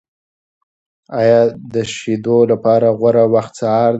آیا د شیدو لپاره غوره وخت سهار دی؟